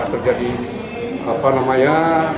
terjadi apa namanya